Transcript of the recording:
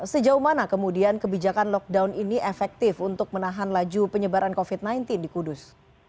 sejauh mana kemudian kebijakan lockdown ini efektif untuk menahan laju penyebaran covid sembilan belas di kudus